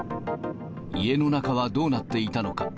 家の中はどうなっていたのか。